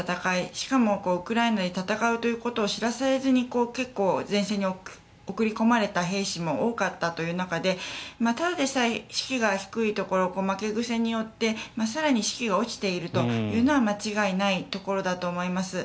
しかもウクライナで戦うということを知らされずに結構、前線に送り込まれた兵士も多かったという中でただでさえ士気が低いところ負け癖によって更に士気が落ちているというのは間違いないところだと思います。